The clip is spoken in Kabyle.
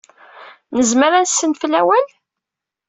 Nezmer ad nessenfel awal?